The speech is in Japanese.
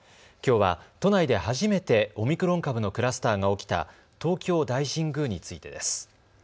きょうは、都内で初めてオミクロン株のクラスターが起きた東京大神宮についてです。